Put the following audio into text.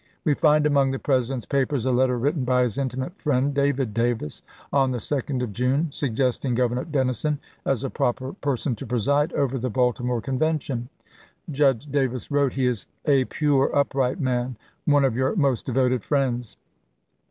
We find among the President's papers a letter written by his intimate friend, David Davis, on the 2d of June, suggesting Governor Dennison as a proper isw. person to preside over the Baltimore Convention. Judge Davis wrote: "He is a pure, upright man, one of your most devoted friends.